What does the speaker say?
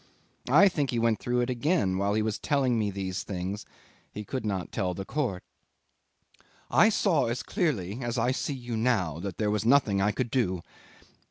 I think he went through it again while he was telling me these things he could not tell the court. '"I saw as clearly as I see you now that there was nothing I could do.